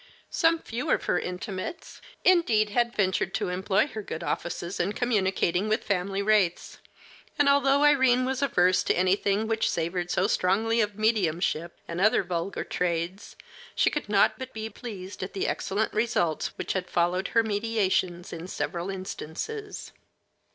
Some few of her intimates, indeed, had ventured to employ her good offices in communicating with family wraiths; and although Irene was averse to anything which savored so strongly of mediumship and other vulgar trades, she could not but be pleased at the excellent results which had followed her mediations in several instances.